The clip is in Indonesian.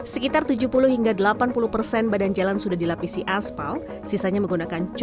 sekitar tujuh puluh hingga delapan puluh persen badan jalan sudah dilapisi aspal sisanya menggunakan